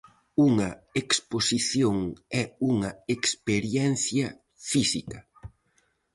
Unha exposición é unha experiencia física.